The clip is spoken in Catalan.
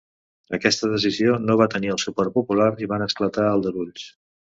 Aquesta decisió no va tenir el suport popular i van esclatar aldarulls.